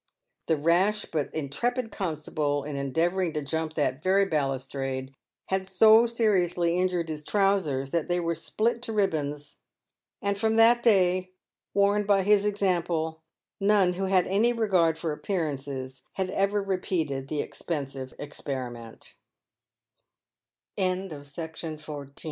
The rash but intrepid constable, in endeavouring to jump that very balustrade, had so seriously injured his trousers that they were " split to ribbins," and from that day, warned by his example, none who had any regard for appearances had ever repeated the expe